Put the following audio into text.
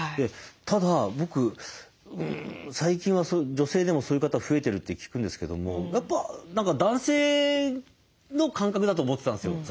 ただ僕最近は女性でもそういう方増えてるって聞くんですけどもやっぱ何か男性の感覚だと思ってたんですよ。